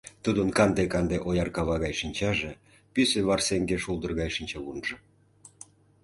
Тудын канде-канде ояр кава гай шинчаже, пӱсӧ варсеҥге шулдыр гай шинчавунжо.